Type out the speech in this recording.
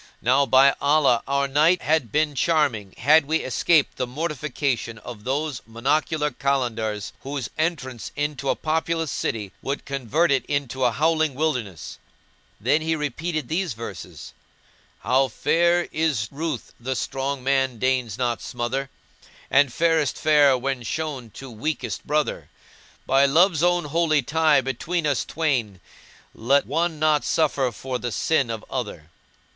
Now by Allah, our night had been charming had we escaped the mortification of those monocular Kalandars whose entrance into a populous city would convert it into a howling wilderness." Then he repeated these verses : "How fair is ruth the strong man deigns not smother! * And fairest fair when shown to weakest brother: By Love's own holy tie between us twain, * Let one not suffer for the sin of other."